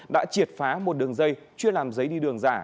đã triệt phá một đường dây chuyên làm giấy đi đường giả